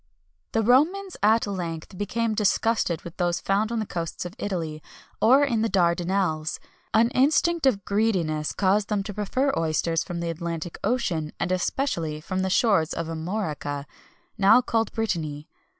[XXI 238] The Romans at length became disgusted with those found on the coasts of Italy, or in the Dardanelles; an instinct of greediness caused them to prefer oysters from the Atlantic ocean, and especially from the shores of Armorica, now called Britany.